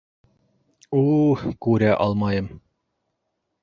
У-у... күрә алмайым!